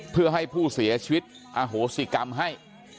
เพื่อให้ผู้เสียชีวิตอโหสิกรรมให้